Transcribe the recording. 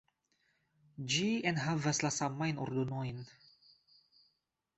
Ĝi enhavas la samajn ordonojn.